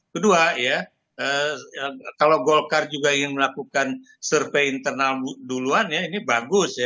kedua ya kalau golkar juga ingin melakukan survei internal duluan ya ini bagus ya